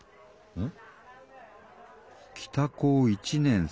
うん？